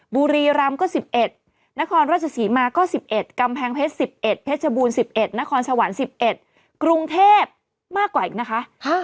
บุรีรำก็๑๑นครราชศรีมาก็๑๑กำแพงเพชร๑๑เพชรบูรณ๑๑นครสวรรค์๑๑กรุงเทพมากกว่าอีกนะคะ